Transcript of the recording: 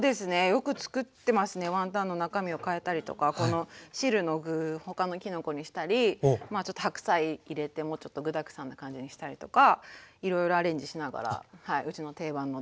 よくつくってますねワンタンの中身をかえたりとかこの汁の具他のきのこにしたりちょっと白菜入れてもうちょっと具だくさんな感じにしたりとかいろいろアレンジしながらうちの定番の大人気スープです。